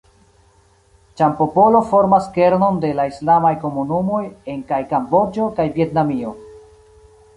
Ĉam-popolo formas kernon de la islamaj komunumoj en kaj Kamboĝo kaj Vjetnamio.